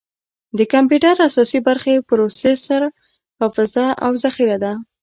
د کمپیوټر اساسي برخې پروسیسر، حافظه، او ذخیره ده.